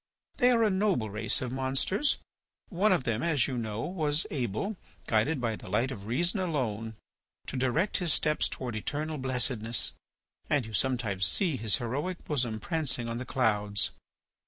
They are a noble race of monsters. One of them, as you know, was able, guided by the light of reason alone, to direct his steps towards eternal blessedness, and you sometimes see his heroic bosom prancing on the clouds.